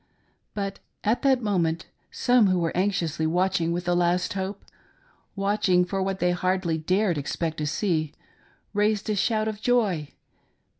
But at that moment some who were anxiously watching with a last hope — watching for what they hardly dared expect to see — raised a shout of joy.